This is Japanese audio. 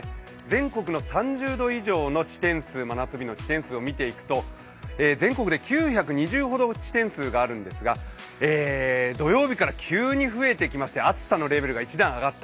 全国の３０度以上の真夏日の地点数を見ていくと、全国で９２０ほど地点数があるんですが土曜日から急に増えてきまして暑さのレベルが一段上がった、